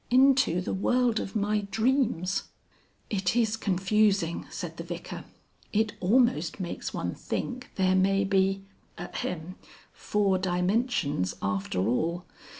"Into the world of my dreams." "It is confusing," said the Vicar. "It almost makes one think there may be (ahem) Four Dimensions after all.